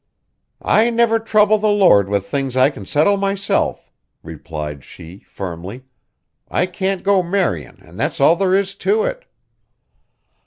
"I never trouble the Lord with things I can settle myself," replied she firmly. "I can't go marryin' an' that's all there is to it."